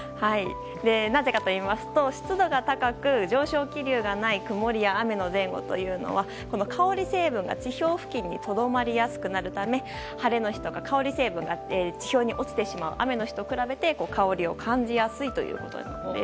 なぜかといいますと湿度が高く上昇気流がない曇りや雨の前後というのは香り成分が地表付近にとどまりやすくなるため晴れの日や香り成分が地表に落ちてしまう雨の日と比べて香りを感じやすいということです。